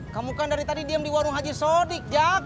kamu kan dari tadi diem di warung haji sodik